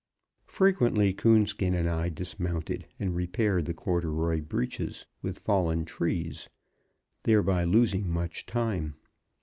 Frequently Coonskin and I dismounted and repaired the corduroy breaches, with fallen trees, thereby losing much time.